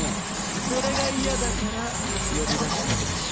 それが嫌だから呼び出したんでしょ？